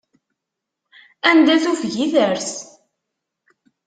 Anda tufeg i ters.